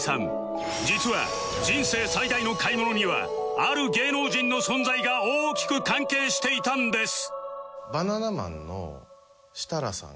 実は人生最大の買い物にはある芸能人の存在が大きく関係していたんです